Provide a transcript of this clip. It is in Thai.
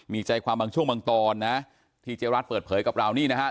มีใจความบางช่วงบางตอนนะที่เจ๊รัฐเปิดเผยกับเรานี่นะครับ